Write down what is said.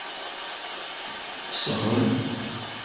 Sɣel.